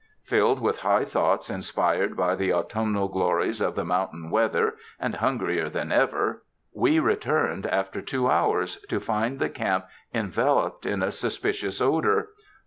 Filled with high thoughts inspired by the au tumnal glories of the mountain weather, and hun grier than ever, we returned, after two hours, to find the camp enveloped in a suspicious odor.